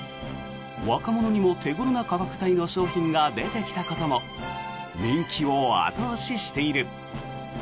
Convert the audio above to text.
若者にも手ごろな価格帯の商品が出てきたことも人気を後押ししている。